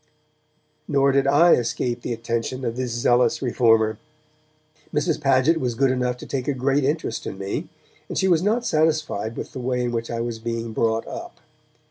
Nor did I escape the attentions of this zealous reformer. Mrs. Paget was good enough to take a great interest in me, and she was not satisfied with the way in which I was being brought up.